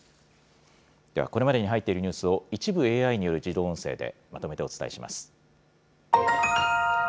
ではこれまでに入っているニュースを、一部ＡＩによる自動音声でまとめてお伝えします。